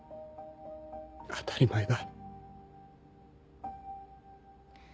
当たり前だ。